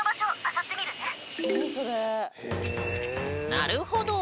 なるほど。